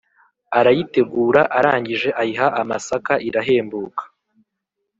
Arayitegura, arangije ayiha amasaka irahembuka